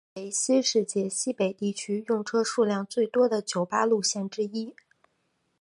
为新界西北地区用车数量最多的九巴路线之一。